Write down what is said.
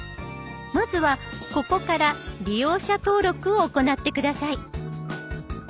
まずはここから利用者登録を行って下さい。